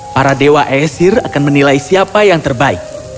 para dewa esir akan menilai siapa yang terbaik